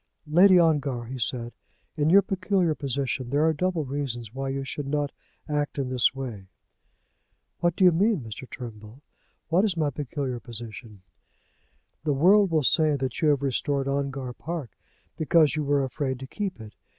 "Lady Ongar," he said, "in your peculiar position there are double reasons why you should not act in this way." "What do you mean, Mr. Turnbull? What is my peculiar position?" "The world will say that you have restored Ongar Park because you were afraid to keep it.